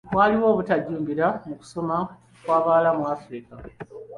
Waliwo obutajjumbira mu kusoma kw'abawala mu Africa.